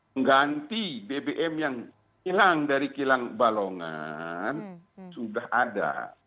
mengganti bbm yang hilang dari kilang balongan sudah ada